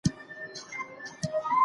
که سياسي شعور لوړ سي ټولنه بدلون مومي.